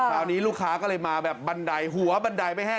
คราวนี้ลูกค้าก็เลยมาแบบบันไดหัวบันไดไม่แห้ง